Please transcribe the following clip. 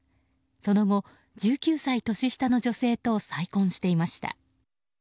その後、１９歳年下の女性と再婚していました。